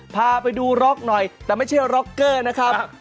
พาไปดูร็อกหน่อยแต่ไม่ใช่ร็อกเกอร์นะครับ